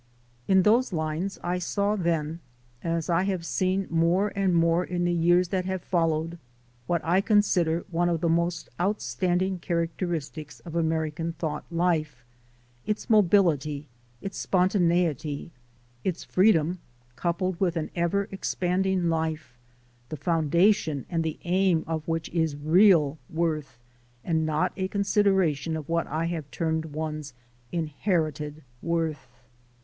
In those lines I saw then, as I have seen more and more in the years that have followed, what I con sider one of the most outstanding characteristics of American thought life; its mobility, its spontaneity, its freedom coupled with an ever expanding life, the foundation and the aim of which is real worth, and not a consideration of what I have termed one's inherited worth.